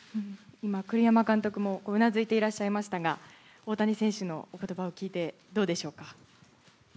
栗山監督もうなずいていらっしゃいましたが大谷選手のお言葉を聞いてどうでしょうか。